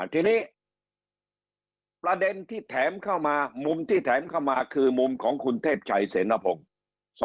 ทีนี้ประเด็นที่แถมเข้ามามุมที่แถมเข้ามาคือมุมของคุณเทพชัยเสนพงศ์